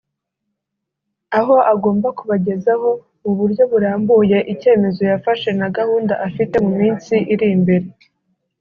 aho agomba kubagezaho mu buryo burambuye icyemezo yafashe na gahunda afite mu minsi iri imbere